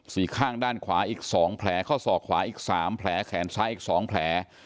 ข้างด้านขวาอีก๒แผลเข้าศอกขวาอีกสามแผลแขนซ้ายอีกสองแผล